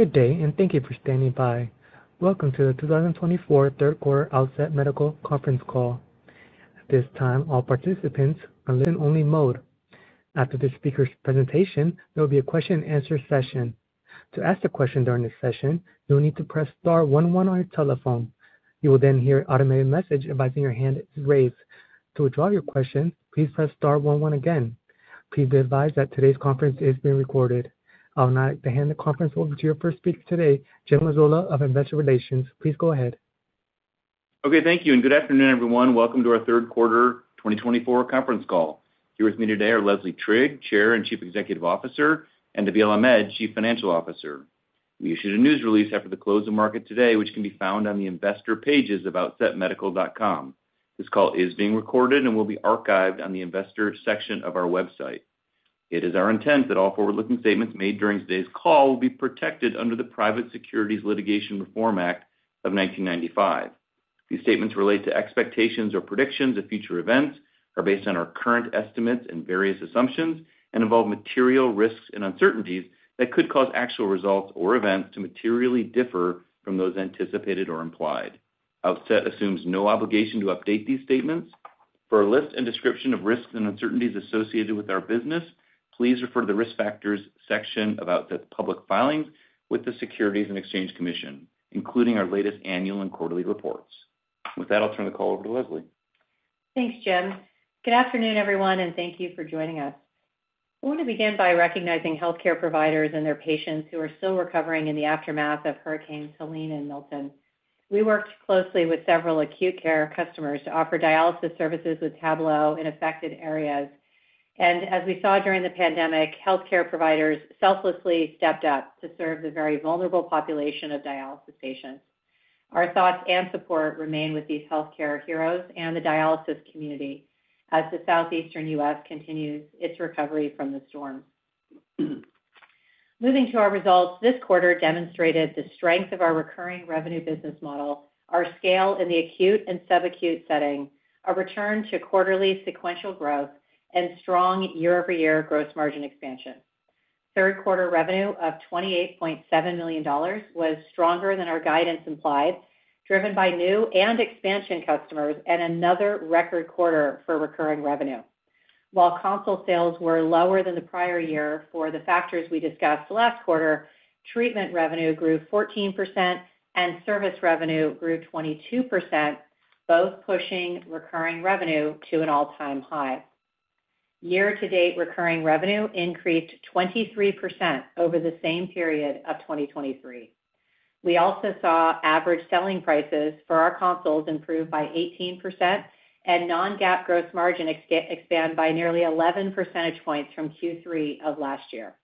Good day, and thank you for standing by. Welcome to the 2024 Third Quarter Outset Medical Conference Call. At this time, all participants are on listen-only mode. After this speaker's presentation, there will be a question-and-answer session. To ask a question during this session, you'll need to press Star 11 on your telephone. You will then hear an automated message advising your hand is raised. To withdraw your question, please press Star 11 again. Please be advised that today's conference is being recorded. I will now like to hand the conference over to your first speaker today, Jim Mazzola of Investor Relations. Please go ahead. Okay, thank you, and good afternoon, everyone. Welcome to our Third Quarter 2024 Conference Call. Here with me today are Leslie Trigg, Chair and Chief Executive Officer, and Nabeel Ahmed, Chief Financial Officer. We issued a news release after the close of market today, which can be found on the investor pages of outsetmedical.com. This call is being recorded and will be archived on the investor section of our website. It is our intent that all forward-looking statements made during today's call will be protected under the Private Securities Litigation Reform Act of 1995. These statements relate to expectations or predictions of future events, are based on our current estimates and various assumptions, and involve material risks and uncertainties that could cause actual results or events to materially differ from those anticipated or implied. Outset assumes no obligation to update these statements. For a list and description of risks and uncertainties associated with our business, please refer to the risk factors section of Outset's public filings with the Securities and Exchange Commission, including our latest annual and quarterly reports. With that, I'll turn the call over to Leslie. Thanks, Jim. Good afternoon, everyone, and thank you for joining us. I want to begin by recognizing healthcare providers and their patients who are still recovering in the aftermath of Hurricanes Helene and Milton. We worked closely with several acute care customers to offer dialysis services with Tablo in affected areas. And as we saw during the pandemic, healthcare providers selflessly stepped up to serve the very vulnerable population of dialysis patients. Our thoughts and support remain with these healthcare heroes and the dialysis community as the southeastern U.S. continues its recovery from the storms. Moving to our results, this quarter demonstrated the strength of our recurring revenue business model, our scale in the acute and subacute setting, a return to quarterly sequential growth, and strong year-over-year gross margin expansion. Third quarter revenue of $28.7 million was stronger than our guidance implied, driven by new and expansion customers and another record quarter for recurring revenue. While console sales were lower than the prior year for the factors we discussed last quarter, treatment revenue grew 14% and service revenue grew 22%, both pushing recurring revenue to an all-time high. Year-to-date recurring revenue increased 23% over the same period of 2023. We also saw average selling prices for our consoles improve by 18% and non-GAAP gross margin expand by nearly 11 percentage points from Q3 of last year.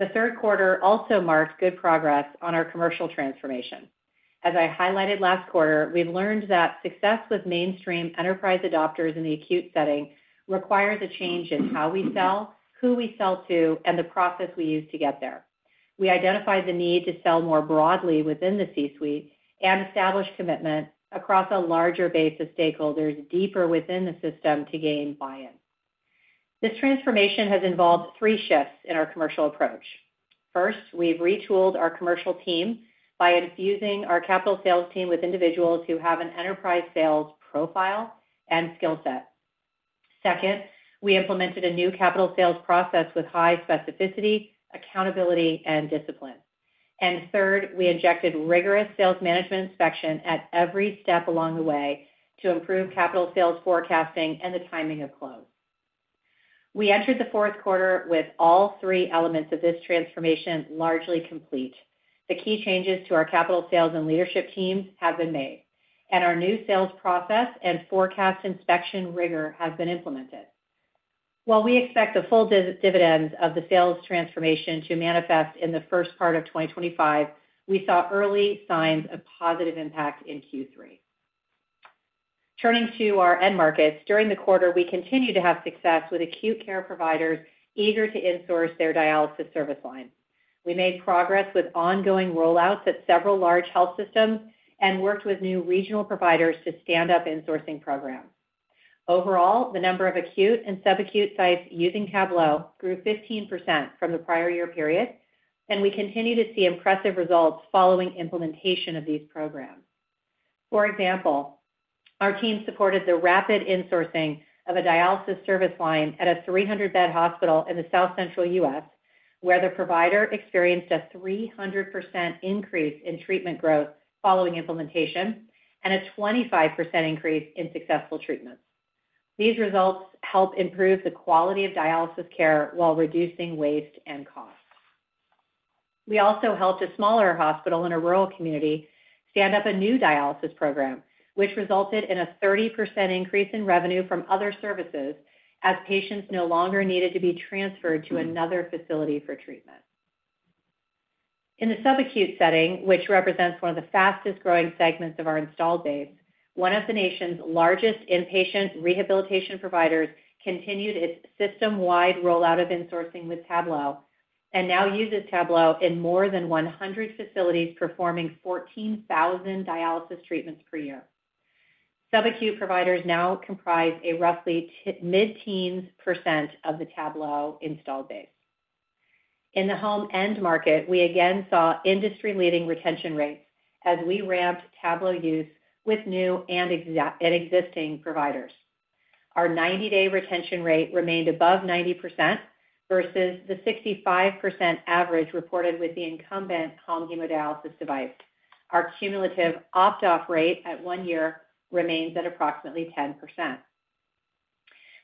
The third quarter also marked good progress on our commercial transformation. As I highlighted last quarter, we've learned that success with mainstream enterprise adopters in the acute setting requires a change in how we sell, who we sell to, and the process we use to get there. We identified the need to sell more broadly within the C-suite and establish commitment across a larger base of stakeholders deeper within the system to gain buy-in. This transformation has involved three shifts in our commercial approach. First, we've retooled our commercial team by infusing our capital sales team with individuals who have an enterprise sales profile and skill set. Second, we implemented a new capital sales process with high specificity, accountability, and discipline. And third, we injected rigorous sales management inspection at every step along the way to improve capital sales forecasting and the timing of close. We entered the fourth quarter with all three elements of this transformation largely complete. The key changes to our capital sales and leadership teams have been made, and our new sales process and forecast inspection rigor have been implemented. While we expect the full dividends of the sales transformation to manifest in the first part of 2025, we saw early signs of positive impact in Q3. Turning to our end markets, during the quarter, we continued to have success with acute care providers eager to insource their dialysis service line. We made progress with ongoing rollouts at several large health systems and worked with new regional providers to stand up insourcing programs. Overall, the number of acute and subacute sites using Tablo grew 15% from the prior year period, and we continue to see impressive results following implementation of these programs. For example, our team supported the rapid insourcing of a dialysis service line at a 300-bed hospital in the South Central U.S., where the provider experienced a 300% increase in treatment growth following implementation and a 25% increase in successful treatments. These results help improve the quality of dialysis care while reducing waste and cost. We also helped a smaller hospital in a rural community stand up a new dialysis program, which resulted in a 30% increase in revenue from other services as patients no longer needed to be transferred to another facility for treatment. In the subacute setting, which represents one of the fastest-growing segments of our installed base, one of the nation's largest inpatient rehabilitation providers continued its system-wide rollout of insourcing with Tablo and now uses Tablo in more than 100 facilities, performing 14,000 dialysis treatments per year. Subacute providers now comprise a roughly mid-teens % of the Tablo installed base. In the home end market, we again saw industry-leading retention rates as we ramped Tablo use with new and existing providers. Our 90-day retention rate remained above 90% versus the 65% average reported with the incumbent home hemodialysis device. Our cumulative opt-off rate at one year remains at approximately 10%.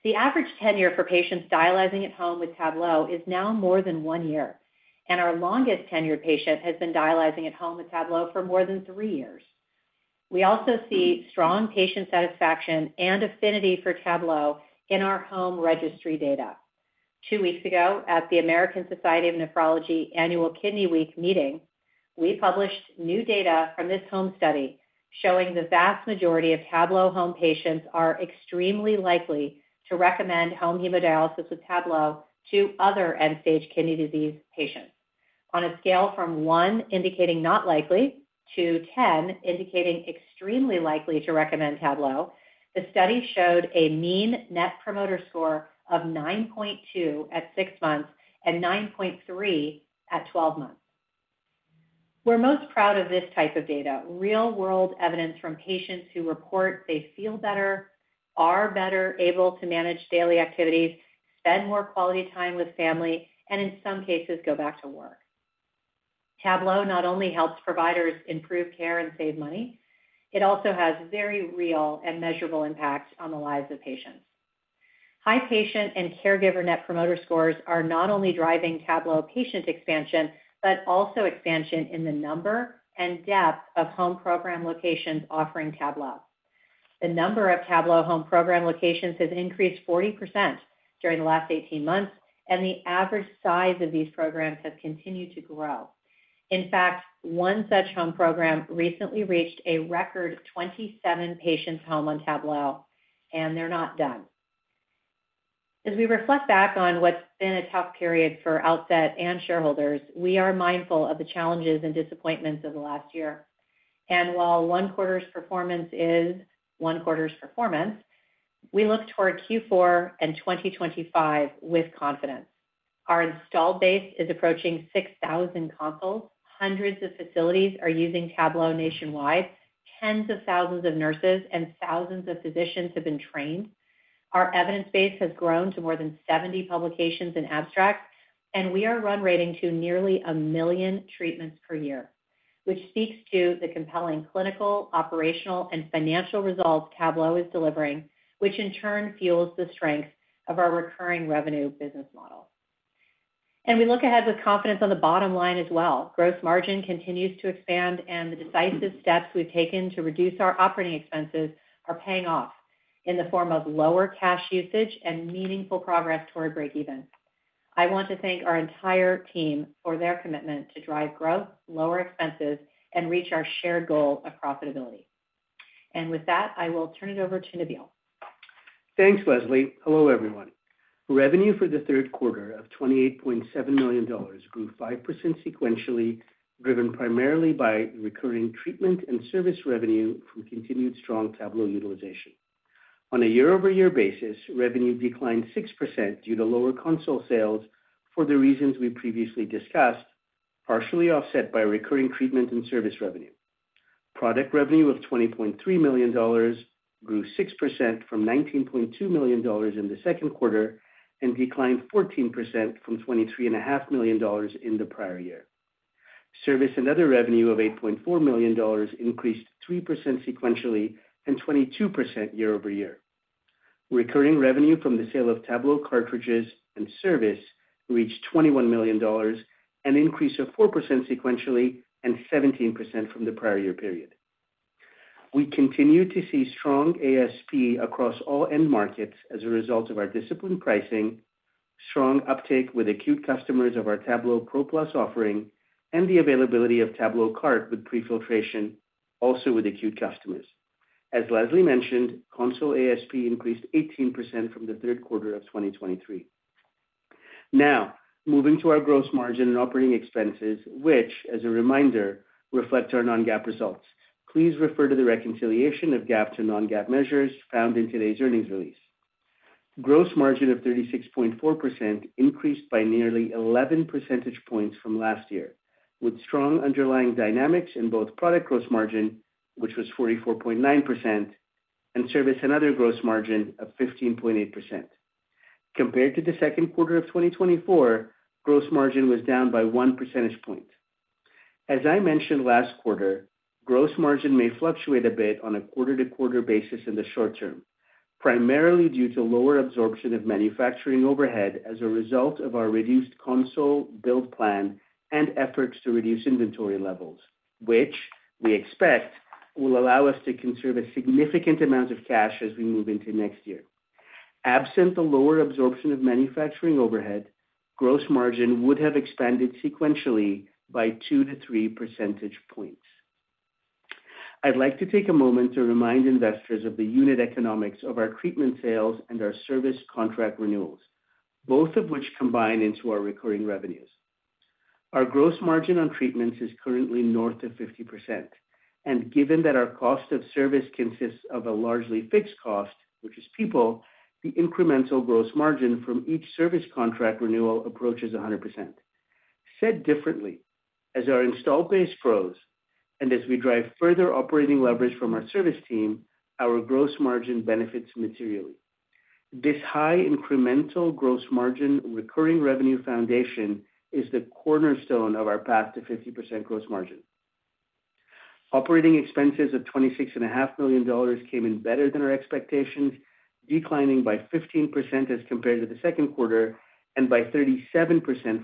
The average tenure for patients dialyzing at home with Tablo is now more than one year, and our longest tenured patient has been dialyzing at home with Tablo for more than three years. We also see strong patient satisfaction and affinity for Tablo in our home registry data. Two weeks ago, at the American Society of Nephrology Annual Kidney Week meeting, we published new data from this home study showing the vast majority of Tablo home patients are extremely likely to recommend home hemodialysis with Tablo to other end-stage kidney disease patients. On a scale from 1 indicating not likely to 10 indicating extremely likely to recommend Tablo, the study showed a mean Net Promoter Score of 9.2 at six months and 9.3 at 12 months. We're most proud of this type of data: real-world evidence from patients who report they feel better, are better able to manage daily activities, spend more quality time with family, and in some cases, go back to work. Tablo not only helps providers improve care and save money. It also has very real and measurable impact on the lives of patients. High patient and caregiver Net Promoter Scores are not only driving Tablo patient expansion, but also expansion in the number and depth of home program locations offering Tablo. The number of Tablo home program locations has increased 40% during the last 18 months, and the average size of these programs has continued to grow. In fact, one such home program recently reached a record 27 patients home on Tablo, and they're not done. As we reflect back on what's been a tough period for Outset and shareholders, we are mindful of the challenges and disappointments of the last year. And while one quarter's performance is one quarter's performance, we look toward Q4 and 2025 with confidence. Our installed base is approaching 6,000 consoles, hundreds of facilities are using Tablo nationwide, tens of thousands of nurses, and thousands of physicians have been trained. Our evidence base has grown to more than 70 publications and abstracts, and we are run rate to nearly a million treatments per year, which speaks to the compelling clinical, operational, and financial results Tablo is delivering, which in turn fuels the strength of our recurring revenue business model. And we look ahead with confidence on the bottom line as well. Gross margin continues to expand, and the decisive steps we've taken to reduce our operating expenses are paying off in the form of lower cash usage and meaningful progress toward breakeven. I want to thank our entire team for their commitment to drive growth, lower expenses, and reach our shared goal of profitability. And with that, I will turn it over to Nabeel. Thanks, Leslie. Hello, everyone. Revenue for the third quarter of $28.7 million grew 5% sequentially, driven primarily by recurring treatment and service revenue from continued strong Tablo utilization. On a year-over-year basis, revenue declined 6% due to lower console sales for the reasons we previously discussed, partially offset by recurring treatment and service revenue. Product revenue of $20.3 million grew 6% from $19.2 million in the second quarter and declined 14% from $23.5 million in the prior year. Service and other revenue of $8.4 million increased 3% sequentially and 22% year-over-year. Recurring revenue from the sale of Tablo cartridges and service reached $21 million and increased 4% sequentially and 17% from the prior year period. We continue to see strong ASP across all end markets as a result of our disciplined pricing, strong uptake with acute customers of our TabloPro+ offering, and the availability of TabloCart with prefiltration, also with acute customers. As Leslie mentioned, console ASP increased 18% from the third quarter of 2023. Now, moving to our gross margin and operating expenses, which, as a reminder, reflect our non-GAAP results. Please refer to the reconciliation of GAAP to non-GAAP measures found in today's earnings release. Gross margin of 36.4% increased by nearly 11 percentage points from last year, with strong underlying dynamics in both product gross margin, which was 44.9%, and service and other gross margin of 15.8%. Compared to the second quarter of 2024, gross margin was down by one percentage point. As I mentioned last quarter, gross margin may fluctuate a bit on a quarter-to-quarter basis in the short term, primarily due to lower absorption of manufacturing overhead as a result of our reduced console build plan and efforts to reduce inventory levels, which we expect will allow us to conserve a significant amount of cash as we move into next year. Absent the lower absorption of manufacturing overhead, gross margin would have expanded sequentially by two to three percentage points. I'd like to take a moment to remind investors of the unit economics of our treatment sales and our service contract renewals, both of which combine into our recurring revenues. Our gross margin on treatments is currently north of 50%, and given that our cost of service consists of a largely fixed cost, which is people, the incremental gross margin from each service contract renewal approaches 100%. Said differently, as our installed base grows and as we drive further operating leverage from our service team, our gross margin benefits materially. This high incremental gross margin recurring revenue foundation is the cornerstone of our path to 50% gross margin. Operating expenses of $26.5 million came in better than our expectations, declining by 15% as compared to the second quarter and by 37%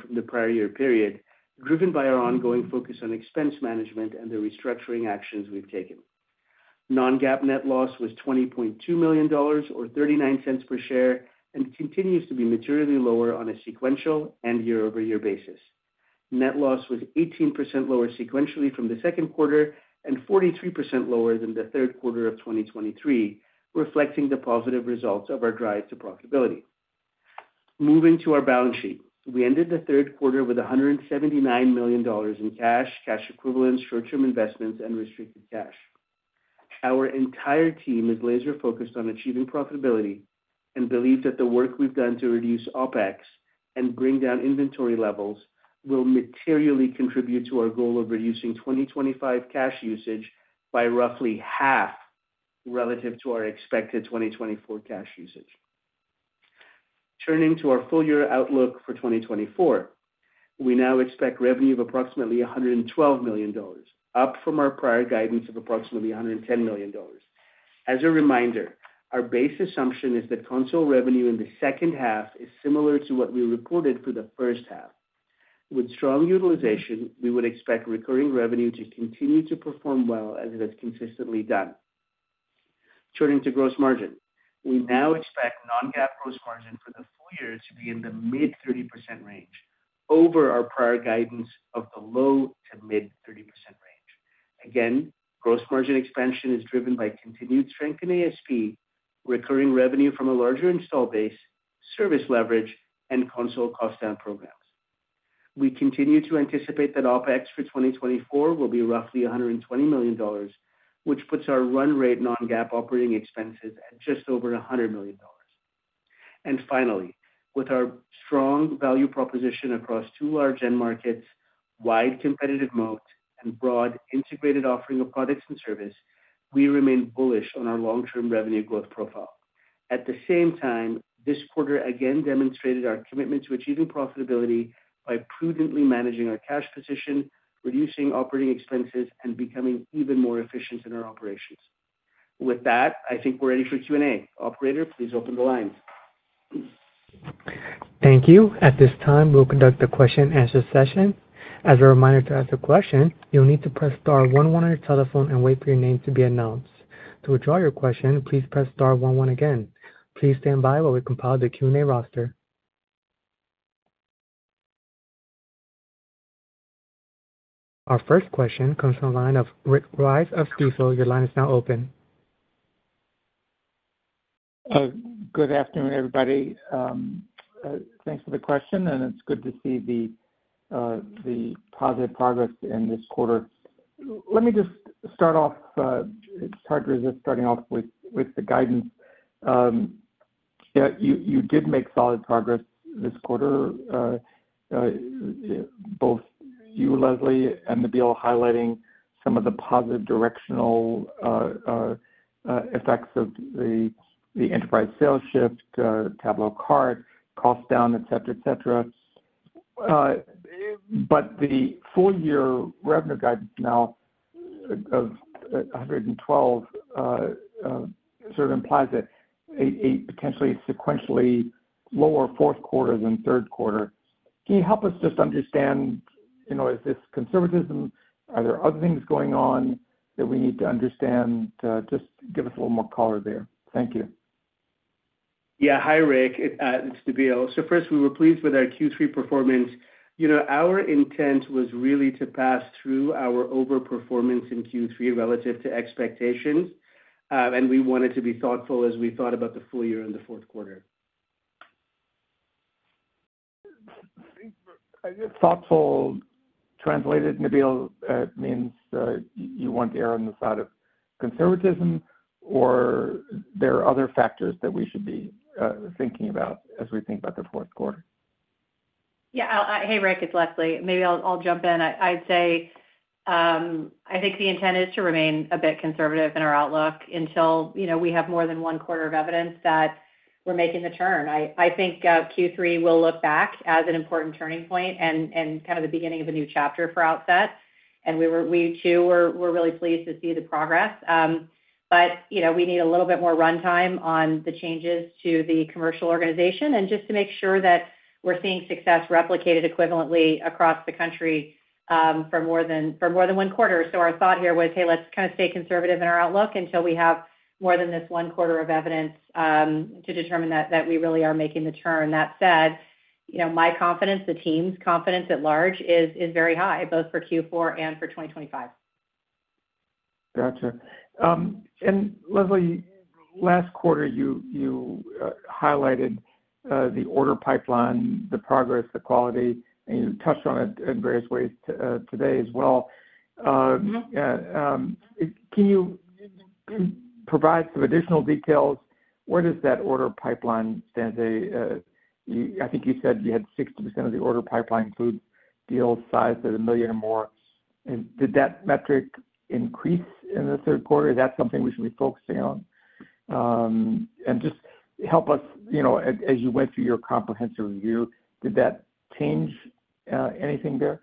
from the prior year period, driven by our ongoing focus on expense management and the restructuring actions we've taken. Non-GAAP net loss was $20.2 million, or $0.39 per share, and continues to be materially lower on a sequential and year-over-year basis. Net loss was 18% lower sequentially from the second quarter and 43% lower than the third quarter of 2023, reflecting the positive results of our drive to profitability. Moving to our balance sheet, we ended the third quarter with $179 million in cash, cash equivalents, short-term investments, and restricted cash. Our entire team is laser-focused on achieving profitability and believes that the work we've done to reduce OpEx and bring down inventory levels will materially contribute to our goal of reducing 2025 cash usage by roughly half relative to our expected 2024 cash usage. Turning to our full-year outlook for 2024, we now expect revenue of approximately $112 million, up from our prior guidance of approximately $110 million. As a reminder, our base assumption is that console revenue in the second half is similar to what we reported for the first half. With strong utilization, we would expect recurring revenue to continue to perform well as it has consistently done. Turning to gross margin, we now expect non-GAAP gross margin for the full year to be in the mid-30% range over our prior guidance of the low to mid-30% range. Again, gross margin expansion is driven by continued strength in ASP, recurring revenue from a larger install base, service leverage, and console cost-down programs. We continue to anticipate that OpEx for 2024 will be roughly $120 million, which puts our run rate non-GAAP operating expenses at just over $100 million. And finally, with our strong value proposition across two large end markets, wide competitive moat, and broad integrated offering of products and service, we remain bullish on our long-term revenue growth profile. At the same time, this quarter again demonstrated our commitment to achieving profitability by prudently managing our cash position, reducing operating expenses, and becoming even more efficient in our operations. With that, I think we're ready for Q&A.Operator, please open the lines. Thank you. At this time, we'll conduct the question-and-answer session. As a reminder to ask a question, you'll need to press star 11 on your telephone and wait for your name to be announced. To withdraw your question, please press star 11 again. Please stand by while we compile the Q&A roster. Our first question comes from the line of Rick Wise of Stifel. Your line is now open. Good afternoon, everybody. Thanks for the question, and it's good to see the positive progress in this quarter. Let me just start off. It's hard to resist starting off with the guidance. You did make solid progress this quarter, both you, Leslie, and Nabeel highlighting some of the positive directional effects of the enterprise sales shift, Tablo Cart, cost-down, etc., etc. But the full-year revenue guidance now of $112 sort of implies a potentially sequentially lower fourth quarter than third quarter. Can you help us just understand, is this conservatism? Are there other things going on that we need to understand? Just give us a little more color there. Thank you. Yeah. Hi, Rick. It's Nabeel. So first, we were pleased with our Q3 performance. Our intent was really to pass through our overperformance in Q3 relative to expectations, and we wanted to be thoughtful as we thought about the full year and the fourth quarter. fully translated, Nabeel, means you want to err on the side of conservatism, or there are other factors that we should be thinking about as we think about the fourth quarter? Yeah. Hey, Rick, it's Leslie. Maybe I'll jump in. I'd say I think the intent is to remain a bit conservative in our outlook until we have more than one quarter of evidence that we're making the turn. I think Q3 will look back as an important turning point and kind of the beginning of a new chapter for Outset, and we too were really pleased to see the progress, but we need a little bit more runtime on the changes to the commercial organization and just to make sure that we're seeing success replicated equivalently across the country for more than one quarter, so our thought here was, hey, let's kind of stay conservative in our outlook until we have more than this one quarter of evidence to determine that we really are making the turn. That said, my confidence, the team's confidence at large, is very high, both for Q4 and for 2025. Gotcha. And Leslie, last quarter, you highlighted the order pipeline, the progress, the quality, and you touched on it in various ways today as well. Can you provide some additional details? Where does that order pipeline stand today? I think you said you had 60% of the order pipeline include deals sized at a million or more. Did that metric increase in the third quarter? Is that something we should be focusing on? And just help us, as you went through your comprehensive review, did that change anything there?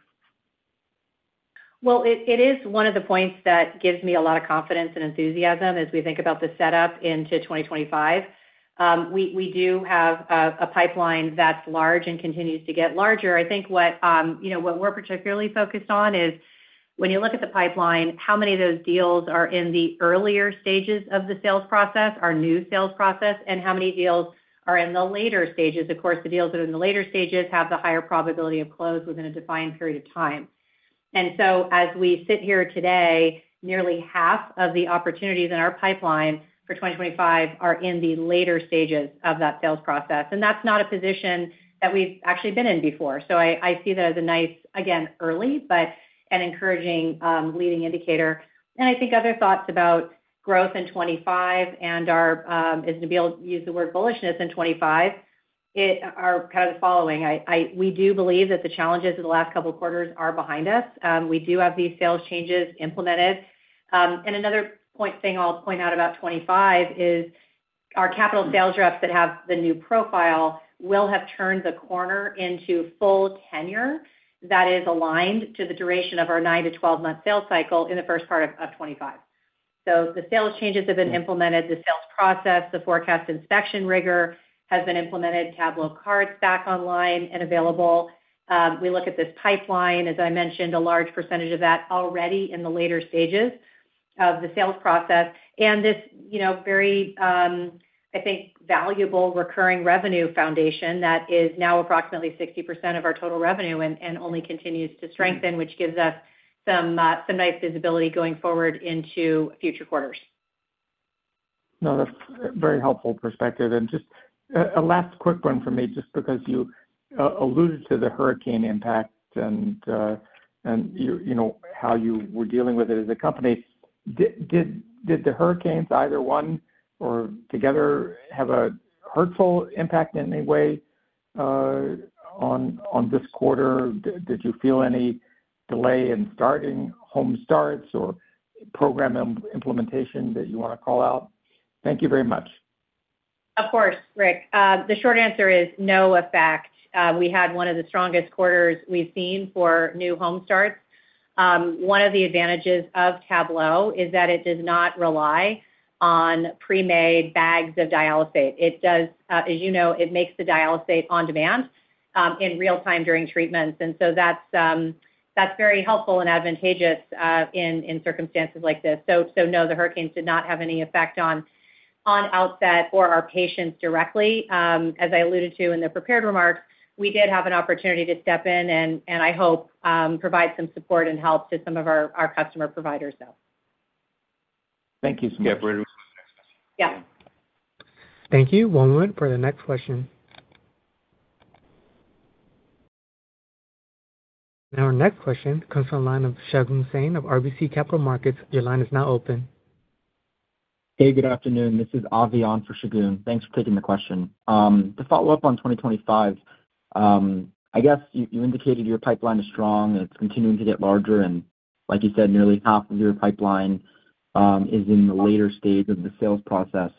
It is one of the points that gives me a lot of confidence and enthusiasm as we think about the setup into 2025. We do have a pipeline that's large and continues to get larger. I think what we're particularly focused on is when you look at the pipeline, how many of those deals are in the earlier stages of the sales process, our new sales process, and how many deals are in the later stages? Of course, the deals that are in the later stages have the higher probability of close within a defined period of time. So as we sit here today, nearly half of the opportunities in our pipeline for 2025 are in the later stages of that sales process. That's not a position that we've actually been in before. So I see that as a nice, again, early but an encouraging leading indicator. And I think other thoughts about growth in 2025 and our (did Nabeel use the word bullishness in 2025?) are kind of the following. We do believe that the challenges of the last couple of quarters are behind us. We do have these sales changes implemented. And another point thing I'll point out about 2025 is our capital sales reps that have the new profile will have turned the corner into full tenure that is aligned to the duration of our 9-12-month sales cycle in the first part of 2025. So the sales changes have been implemented. The sales process, the forecast inspection rigor has been implemented. Tablo Cart's back online and available. We look at this pipeline, as I mentioned, a large percentage of that already in the later stages of the sales process. And this very, I think, valuable recurring revenue foundation that is now approximately 60% of our total revenue and only continues to strengthen, which gives us some nice visibility going forward into future quarters. No, that's a very helpful perspective. And just a last quick one for me, just because you alluded to the hurricane impact and how you were dealing with it as a company. Did the hurricanes, either one or together, have a hurtful impact in any way on this quarter? Did you feel any delay in starting home starts or program implementation that you want to call out? Thank you very much. Of course, Rick. The short answer is no effect. We had one of the strongest quarters we've seen for new home starts. One of the advantages of Tablo is that it does not rely on pre-made bags of dialysate. As you know, it makes the dialysate on demand in real time during treatments. And so that's very helpful and advantageous in circumstances like this. So no, the hurricanes did not have any effect on Outset or our patients directly. As I alluded to in the prepared remarks, we did have an opportunity to step in and, I hope, provide some support and help to some of our customer providers, though. Thank you so much. Yeah. Thank you. One moment for the next question. Now, our next question comes from the line of Shagun Singh of RBC Capital Markets. Your line is now open. Hey, good afternoon. This is Avi on for Shagun. Thanks for taking the question. To follow up on 2025, I guess you indicated your pipeline is strong. It's continuing to get larger. And like you said, nearly half of your pipeline is in the later stage of the sales process.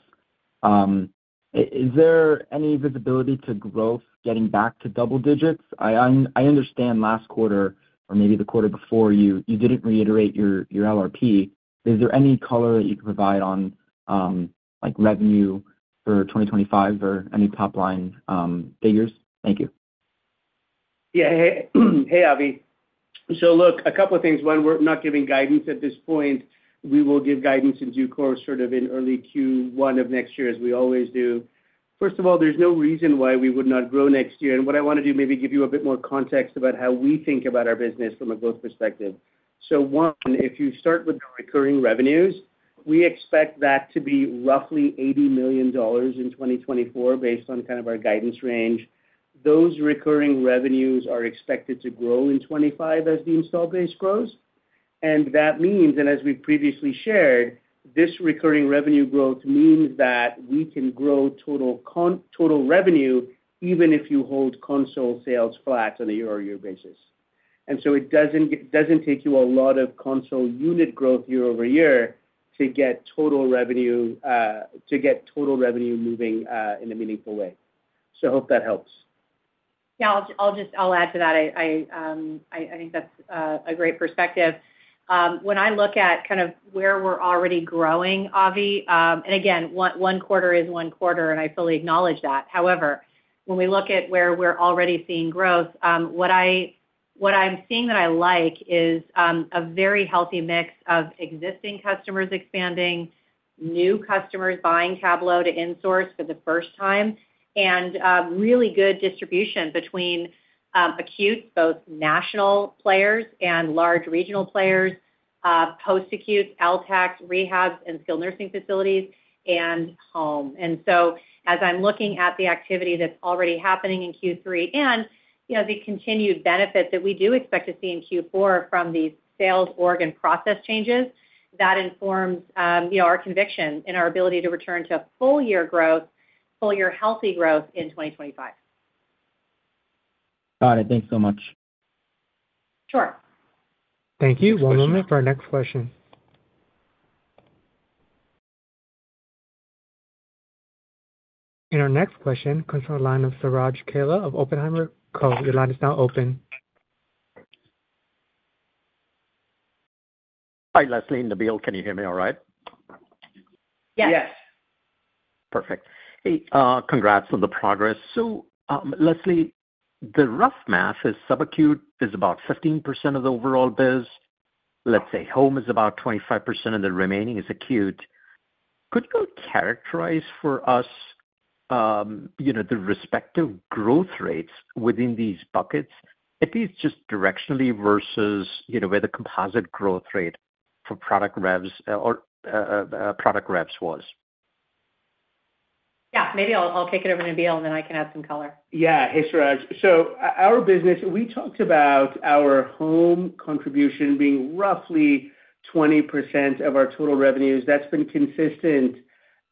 Is there any visibility to growth getting back to double digits? I understand last quarter, or maybe the quarter before, you didn't reiterate your LRP. Is there any color that you can provide on revenue for 2025 or any top-line figures? Thank you. Yeah. Hey, Avi. So look, a couple of things. One, we're not giving guidance at this point. We will give guidance in due course, sort of in early Q1 of next year, as we always do. First of all, there's no reason why we would not grow next year. And what I want to do, maybe give you a bit more context about how we think about our business from a growth perspective. So one, if you start with the recurring revenues, we expect that to be roughly $80 million in 2024 based on kind of our guidance range. Those recurring revenues are expected to grow in 2025 as the install base grows. And that means, and as we previously shared, this recurring revenue growth means that we can grow total revenue even if you hold console sales flat on a year-over-year basis. And so it doesn't take you a lot of console unit growth year-over-year to get total revenue moving in a meaningful way. So I hope that helps. Yeah. I'll add to that. I think that's a great perspective. When I look at kind of where we're already growing, Avi, and again, one quarter is one quarter, and I fully acknowledge that. However, when we look at where we're already seeing growth, what I'm seeing that I like is a very healthy mix of existing customers expanding, new customers buying Tablo to insource for the first time, and really good distribution between acute, both national players and large regional players, post-acute, LTACs, rehabs, and skilled nursing facilities, and home. And so as I'm looking at the activity that's already happening in Q3 and the continued benefit that we do expect to see in Q4 from these sales organization process changes, that informs our conviction in our ability to return to full-year growth, full-year healthy growth in 2025. Got it. Thanks so much. Sure. Thank you. One moment for our next question. And our next question comes from the line of Suraj Kalia of Oppenheimer & Co. Your line is now open. Hi, Leslie. Nabeel, can you hear me all right? Yes. Yes. Perfect. Hey, congrats on the progress. So Leslie, the rough math is subacute is about 15% of the overall biz. Let's say home is about 25%, and the remaining is acute. Could you characterize for us the respective growth rates within these buckets, at least just directionally versus where the composite growth rate for product reps was? Yeah. Maybe I'll take it over to Nabeel, and then I can add some color. Yeah. Hey, Suraj. So our business, we talked about our home contribution being roughly 20% of our total revenues. That's been consistent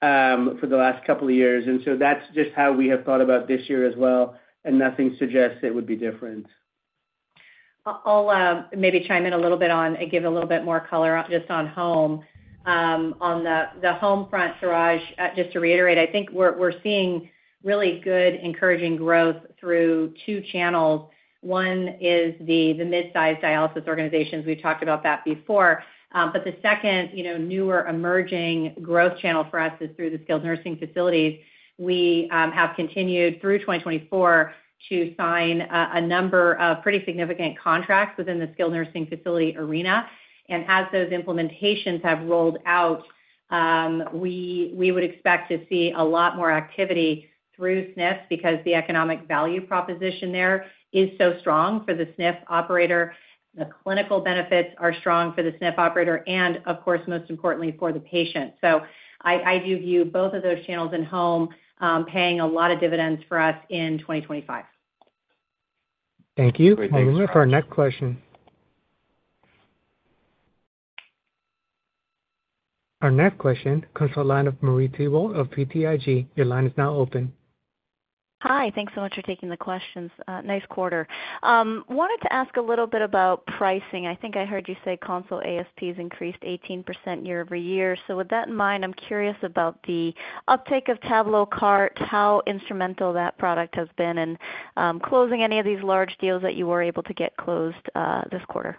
for the last couple of years. And so that's just how we have thought about this year as well, and nothing suggests it would be different. I'll maybe chime in a little bit on and give a little bit more color just on home. On the home front, Suraj, just to reiterate, I think we're seeing really good, encouraging growth through two channels. One is the mid-size dialysis organizations. We've talked about that before. But the second, newer emerging growth channel for us is through the skilled nursing facilities. We have continued through 2024 to sign a number of pretty significant contracts within the skilled nursing facility arena. And as those implementations have rolled out, we would expect to see a lot more activity through SNF because the economic value proposition there is so strong for the SNF operator. The clinical benefits are strong for the SNF operator and, of course, most importantly, for the patient. So I do view both of those channels in home paying a lot of dividends for us in 2025. Great answer. Thank you. For our next question. Our next question comes from the line of Marie Thibault of BTIG. Your line is now open. Hi. Thanks so much for taking the questions. Nice quarter. Wanted to ask a little bit about pricing. I think I heard you say console ASPs increased 18% year-over-year. So with that in mind, I'm curious about the uptake of Tablo Cart, how instrumental that product has been, and closing any of these large deals that you were able to get closed this quarter.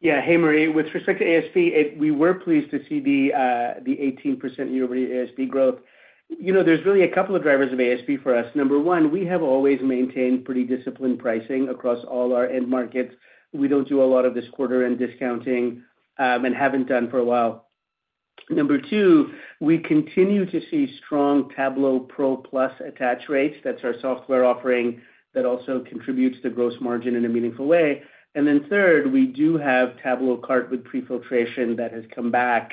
Yeah. Hey, Marie, with respect to ASP, we were pleased to see the 18% year-over-year ASP growth. There's really a couple of drivers of ASP for us. Number one, we have always maintained pretty disciplined pricing across all our end markets. We don't do a lot of this quarter-end discounting and haven't done for a while. Number two, we continue to see strong Tablo Pro+ attach rates. That's our software offering that also contributes to gross margin in a meaningful way. And then third, we do have Tablo Cart with prefiltration that has come back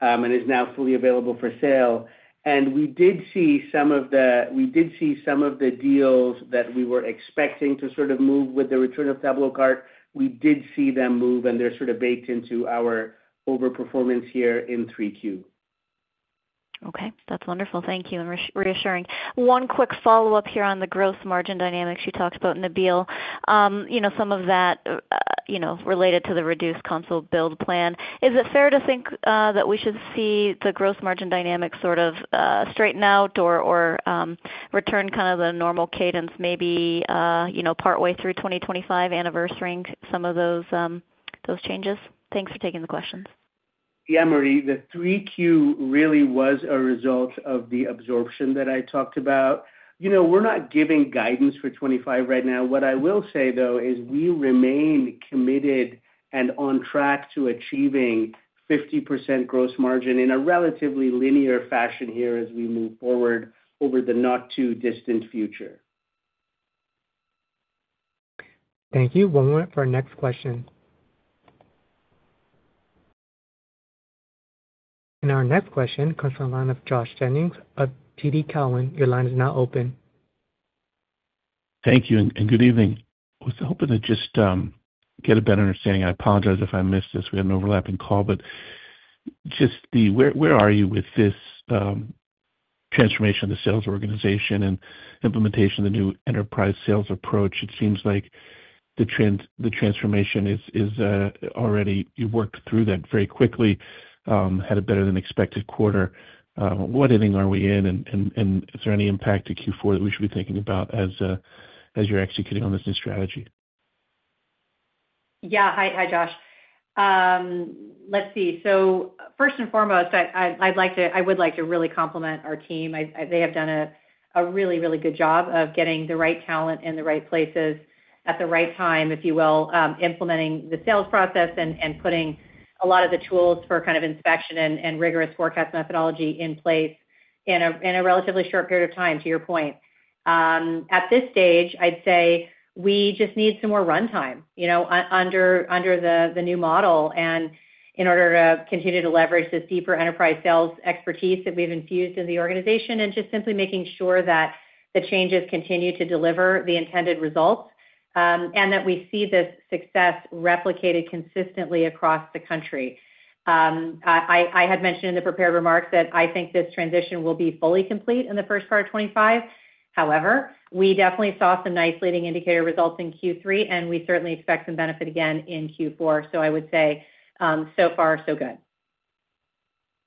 and is now fully available for sale. And we did see some of the deals that we were expecting to sort of move with the return of Tablo Cart. We did see them move, and they're sort of baked into our overperformance here in 3Q. Okay. That's wonderful. Thank you. And reassuring. One quick follow-up here on the gross margin dynamics you talked about, Nabeel. Some of that related to the reduced console build plan. Is it fair to think that we should see the gross margin dynamics sort of straighten out or return kind of the normal cadence, maybe partway through 2025, reversing some of those changes? Thanks for taking the questions. Yeah, Marie. The 3Q really was a result of the absorption that I talked about. We're not giving guidance for 2025 right now. What I will say, though, is we remain committed and on track to achieving 50% gross margin in a relatively linear fashion here as we move forward over the not-too-distant future. Thank you. One moment for our next question. Our next question comes from the line of Josh Jennings of TD Cowen. Your line is now open. Thank you and good evening. I was hoping to just get a better understanding. I apologize if I missed this. We had an overlapping call, but just where are you with this transformation of the sales organization and implementation of the new enterprise sales approach? It seems like the transformation is already you worked through that very quickly, had a better-than-expected quarter. What inning are we in? And is there any impact to Q4 that we should be thinking about as you're executing on this new strategy? Yeah. Hi, Josh. Let's see. So first and foremost, I would like to really compliment our team. They have done a really, really good job of getting the right talent in the right places at the right time, if you will, implementing the sales process and putting a lot of the tools for kind of inspection and rigorous forecast methodology in place in a relatively short period of time, to your point. At this stage, I'd say we just need some more runtime under the new model in order to continue to leverage this deeper enterprise sales expertise that we've infused in the organization and just simply making sure that the changes continue to deliver the intended results and that we see this success replicated consistently across the country. I had mentioned in the prepared remarks that I think this transition will be fully complete in the first part of 2025. However, we definitely saw some nice leading indicator results in Q3, and we certainly expect some benefit again in Q4. So I would say, so far, so good.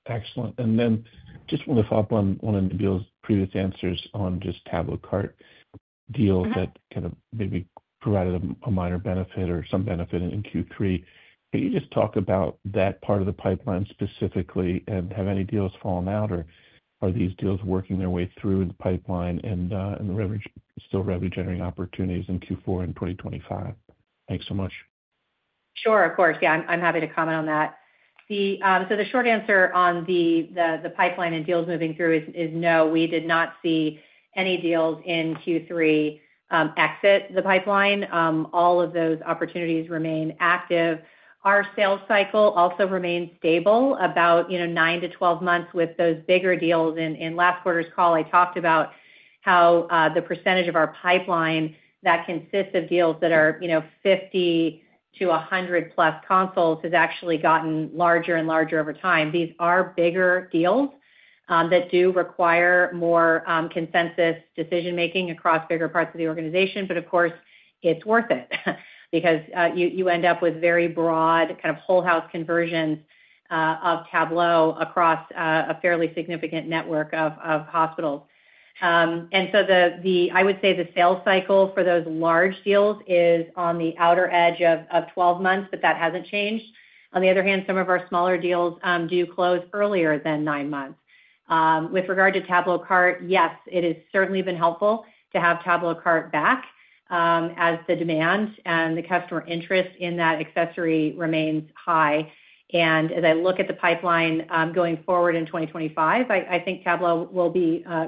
Excellent. And then just want to follow up on Nabeel's previous answers on just Tablo Cart deals that kind of maybe provided a minor benefit or some benefit in Q3. Can you just talk about that part of the pipeline specifically and have any deals fallen out, or are these deals working their way through in the pipeline and still revenue-generating opportunities in Q4 and 2025? Thanks so much. Sure. Of course. Yeah. I'm happy to comment on that. So the short answer on the pipeline and deals moving through is no. We did not see any deals in Q3 exit the pipeline. All of those opportunities remain active. Our sales cycle also remains stable, about nine to 12 months with those bigger deals. In last quarter's call, I talked about how the percentage of our pipeline that consists of deals that are 50 to 100-plus consoles has actually gotten larger and larger over time. These are bigger deals that do require more consensus decision-making across bigger parts of the organization. But of course, it's worth it because you end up with very broad kind of whole-house conversions of Tablo across a fairly significant network of hospitals. And so I would say the sales cycle for those large deals is on the outer edge of 12 months, but that hasn't changed. On the other hand, some of our smaller deals do close earlier than 9 months. With regard to Tablo Cart, yes, it has certainly been helpful to have Tablo Cart back as the demand and the customer interest in that accessory remains high. And as I look at the pipeline going forward in 2025, I think Tablo will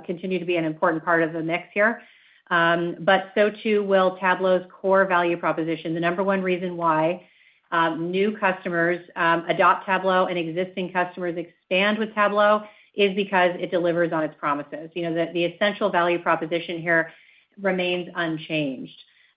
continue to be an important part of the mix here. But so too will Tablo's core value proposition. The number one reason why new customers adopt Tablo and existing customers expand with Tablo is because it delivers on its promises. The essential value proposition here remains unchanged.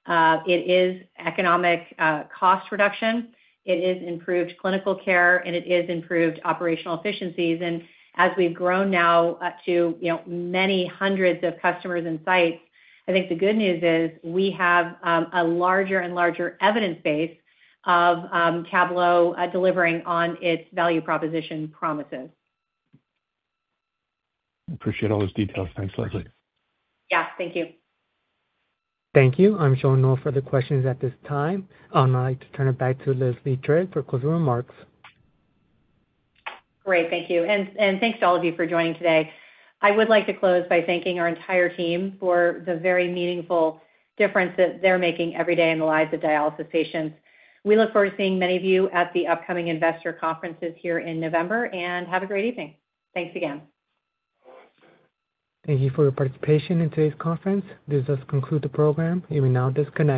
It is economic cost reduction. It is improved clinical care, and it is improved operational efficiencies. And as we've grown now to many hundreds of customers and sites, I think the good news is we have a larger and larger evidence base of Tablo delivering on its value proposition promises. Appreciate all those details. Thanks, Leslie. Yeah. Thank you. Thank you. I'm showing no further questions at this time. I'd like to turn it back to Leslie Trigg for closing remarks. Great. Thank you. And thanks to all of you for joining today. I would like to close by thanking our entire team for the very meaningful difference that they're making every day in the lives of dialysis patients. We look forward to seeing many of you at the upcoming investor conferences here in November, and have a great evening. Thanks again. Thank you for your participation in today's conference. This does conclude the program. You may now disconnect.